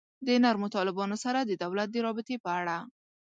د نرمو طالبانو سره د دولت د رابطې په اړه.